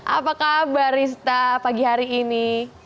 apa kabar rista pagi hari ini